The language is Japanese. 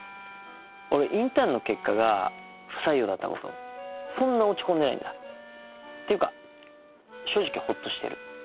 俺インターンの結果が不採用だったことそんな落ち込んでないんだっていうか正直ホッとしてる。